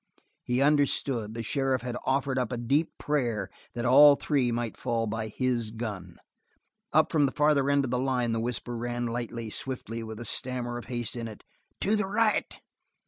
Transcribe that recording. He understood; the sheriff had offered up a deep prayer that all three might fall by his gun. Up from the farther end of the line the whisper ran lightly, swiftly, with a stammer of haste in it: "To the right!"